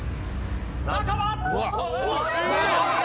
「中は？」